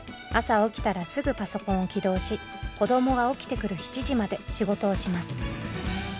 朝起きたらすぐパソコンを起動し子供が起きてくる７時まで仕事をします。